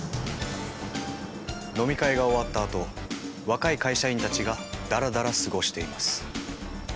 飲み会が終わったあと若い会社員たちがだらだら過ごしています。